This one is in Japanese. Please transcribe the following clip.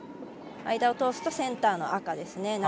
間を通すとセンターの赤ですね。